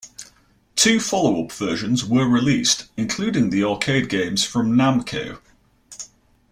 Two follow up versions were released, including the arcade games from Namco.